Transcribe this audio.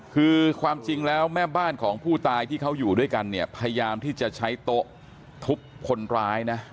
คือความจริงแล้วแม่บ้านของผู้ตายที่เขาอยู่ด้วยกันเนี่ยพยายามที่จะใช้โต๊ะทุบคนร้ายนะ